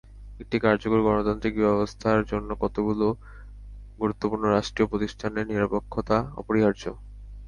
একটি কার্যকর গণতান্ত্রিক ব্যবস্থার জন্য কতগুলো গুরুত্বপূর্ণ রাষ্ট্রীয় প্রতিষ্ঠানের নিরপেক্ষতা অপরিহার্য।